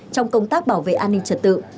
trong công tác bảo vệ an ninh trật tự